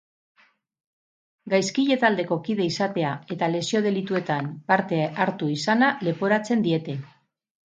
Gaizkile taldeko kide izatea eta lesio delituetan parte hartu izana leporatzen diete.